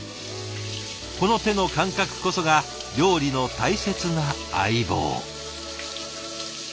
この手の感覚こそが料理の大切な相棒。